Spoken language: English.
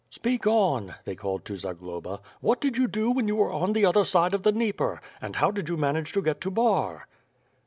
"Speak on," they called to Zagloba, "What did you do when you were on the other side of the Dnieper? And how did you manage to get to Bar?"